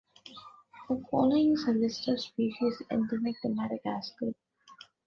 The following is a list of species endemic to Madagascar.